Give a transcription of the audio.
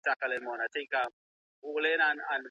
او د ساحل چوپتیا